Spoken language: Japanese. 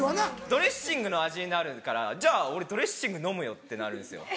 ドレッシングの味になるからじゃあ俺ドレッシング飲むよ‼ってなるんですよ。